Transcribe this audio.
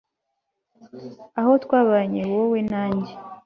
aho twabanye, wowe na njye